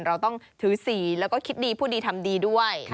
เราต้องถือสีแล้วก็คิดดีพูดดีทำดีด้วย